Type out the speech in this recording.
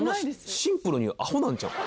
シンプルにアホなんちゃう？